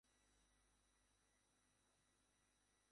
রাজা ফিলিপের পুত্র ছিলেন মহামতি আলেকজান্ডার।